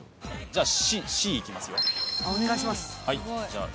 じゃあＣ。